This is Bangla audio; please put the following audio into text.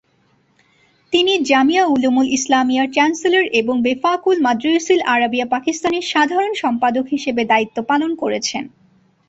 তিনি জামিয়া উলুমুল ইসলামিয়ার চ্যান্সেলর এবং বেফাকুল মাদারিসিল আরাবিয়া পাকিস্তান-এর সাধারণ সম্পাদক হিসেবে দায়িত্ব পালন করেছেন।